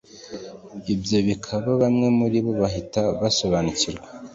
ibyo bikiba bamwe muri bo bahita basobanukirwa